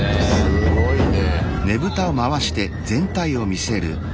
すごいね。